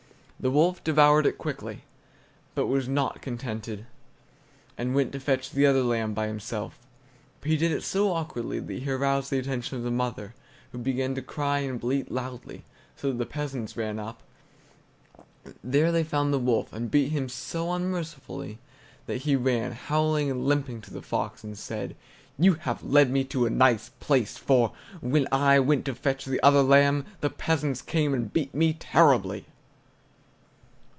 The wolf devoured it quickly, but was not contented, and went to fetch the other lamb by himself, but he did it so awkwardly that he aroused the attention of the mother, who began to cry and bleat loudly, so that the peasants ran up. There they found the wolf, and beat him so unmercifully that he ran, howling and limping, to the fox, and said: "You have led me to a nice place, for, when I went to fetch the other lamb, the peasants came and beat me terribly!"